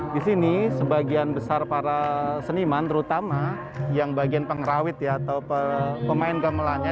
di sini sebagian besar para seniman terutama yang bagian pengerawit ya atau pemain gamelannya